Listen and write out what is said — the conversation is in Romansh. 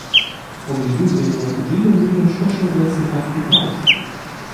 Omisdus vegnan ord cuschina e miran sco sch’els vessen fatg quitaus.